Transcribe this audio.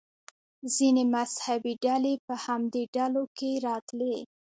ځینې مذهبي ډلې په همدې ډلو کې راتلې.